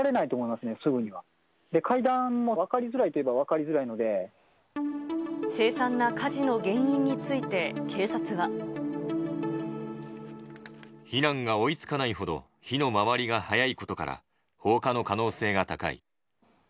せい惨な火事の原因について、避難が追いつかないほど、火の回りが早いことから、放火の可能性が高い。